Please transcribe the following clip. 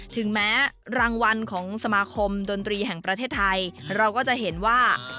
ถึงแม้รางวัลของสมาคมดนตรีแห่งประเทศไทยเราก็จะเห็นว่า